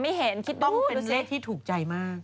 สแดงว่าต้องมีเลขที่ถูกใจมาก